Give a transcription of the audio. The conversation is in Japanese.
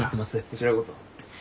こちらこそ。